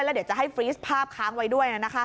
แล้วเดี๋ยวจะให้ฟรีสภาพค้างไว้ด้วย